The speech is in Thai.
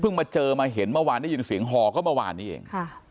เพิ่งมาเจอมาเห็นมาวานได้ยินเสียงหอก็มาวานนี้เอง